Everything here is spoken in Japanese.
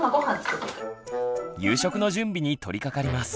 夕食の準備に取りかかります。